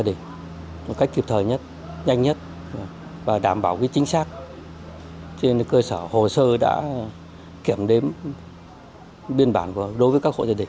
để hoàn thiện các hồ sư